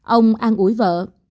ông an ủi vợ